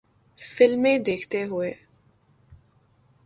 فلمیں دیکھتے ہوئے